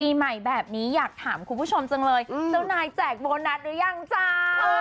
ปีใหม่แบบนี้อยากถามคุณผู้ชมจังเลยเจ้านายแจกโบนัสหรือยังจ้า